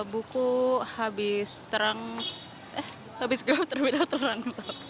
buku habis terang